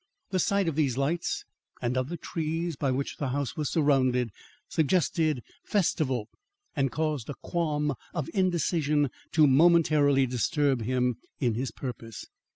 The sight of these lights and of the trees by which the house was surrounded, suggested festival and caused a qualm of indecision to momentarily disturb him in his purpose.